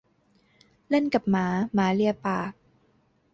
เล่นกับหมาหมาเลียปาก